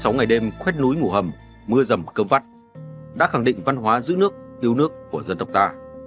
sáu mươi ngày đêm khuét núi ngủ hầm mưa rầm cơm vắt đã khẳng định văn hóa giữ nước yêu nước của dân tộc ta